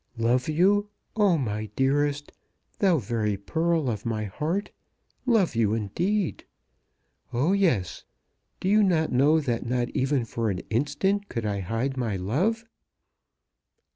"Love you, oh my dearest, thou very pearl of my heart, love you indeed! Oh, yes. Do you not know that not even for an instant could I hide my love?